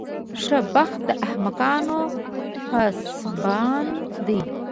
ښه بخت د احمقانو پاسبان دی.